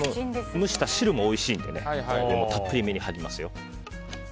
蒸した汁もおいしいのでたっぷりめに張りますよ。